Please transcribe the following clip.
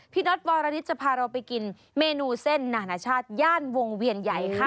น็อตวรริสจะพาเราไปกินเมนูเส้นนานาชาติย่านวงเวียนใหญ่ค่ะ